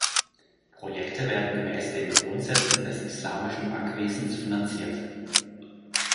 Projekte werden gemäß den Grundsätzen des Islamischen Bankwesens finanziert.